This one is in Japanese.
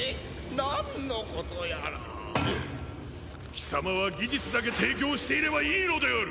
貴様は技術だけ提供していればいいのである！